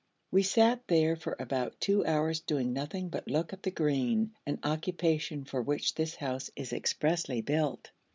We sat there for about two hours doing nothing but look at the green, an occupation for which this house is expressly built.